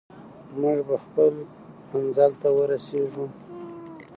موږ به خپل منزل ته ورسېږو.